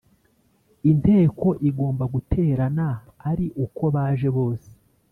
Inteko Igomba guterana ari uko baje bose